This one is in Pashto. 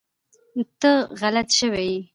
ته غلط شوی ېي